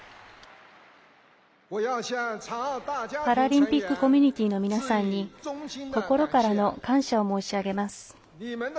パラリンピックコミュニティーの皆さんに心からの感謝を申し上げます。